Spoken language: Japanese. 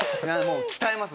鍛えます